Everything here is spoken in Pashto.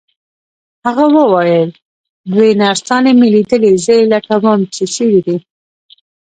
هغه وویل: دوې نرسانې مي لیدلي، زه یې لټوم چي چیري دي.